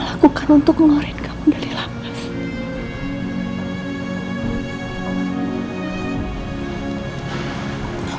lakukan untuk ngorin kamu dari lama